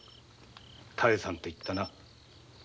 「妙さん」と言ったな？